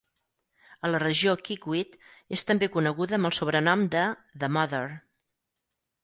A la regió, Kikwit és també coneguda amb el sobrenom de "The Mother".